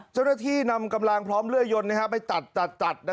เจ้าหน้าที่นำกำลังพร้อมเลื่อยยนไปตัด